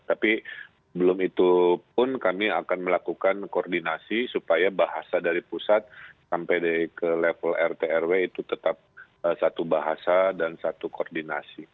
tapi belum itu pun kami akan melakukan koordinasi supaya bahasa dari pusat sampai ke level rt rw itu tetap satu bahasa dan satu koordinasi